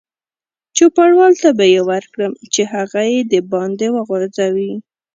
چوپړوال ته به یې ورکړم چې هغه یې دباندې وغورځوي.